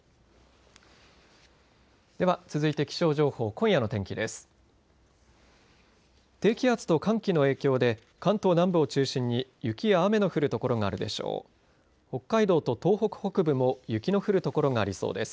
では続いて気象情報、今夜の天気です。